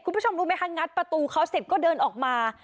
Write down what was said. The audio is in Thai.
คุณผู้ชมรู้ไหมคะงัดประตูเขาเสร็จก็เดินออกมา